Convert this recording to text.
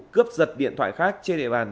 cướp giật điện thoại khác trên địa bàn